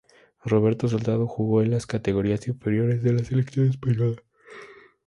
Roberto Soldado jugó en las categorías inferiores de la selección española.